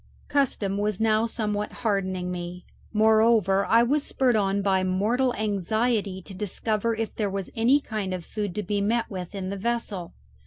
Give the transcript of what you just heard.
Custom was now somewhat hardening me; moreover I was spurred on by mortal anxiety to discover if there was any kind of food to be met with in the vessel.